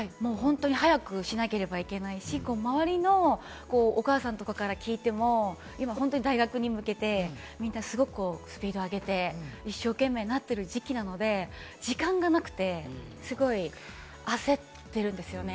早くしなければいけないし、周りのお母さんとかから聞いても、今、本当に大学に向けて、みんなすごくスピードを上げて、一生懸命になってる時期なので、時間がなくて、すごい焦ってるんですよね。